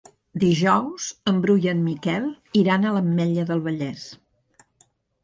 Dijous en Bru i en Miquel iran a l'Ametlla del Vallès.